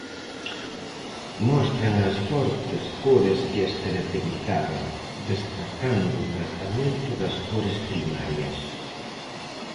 Mostran as fortes cores que as caracterizaban, destacando o tratamento das cores primarias.